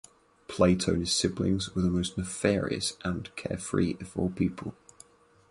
Plato and his siblings were the most nefarious and carefree of all people.